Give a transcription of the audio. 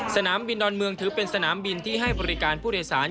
สนามบินดอนเมืองถือเป็นสนามบินที่ให้บริการผู้โดยสาร